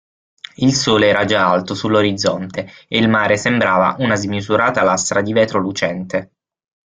Il sole era già alto sull'orizzonte e il mare sembrava una smisurata lastra di vetro lucente.